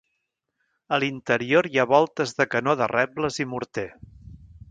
A l'interior hi ha voltes de canó de rebles i morter.